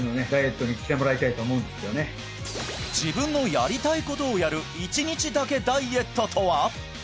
自分のやりたいことをやる１日だけダイエットとは？